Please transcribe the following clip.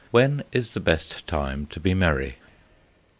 WHEN IS THE BEST TIME TO BE MERRY?